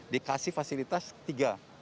dikasih fasilitas tiga